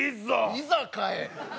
「いざ」かえ。